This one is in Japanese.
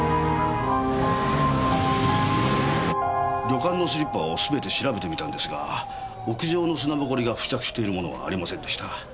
旅館のスリッパを全て調べてみたんですが屋上の砂埃が付着しているものはありませんでした。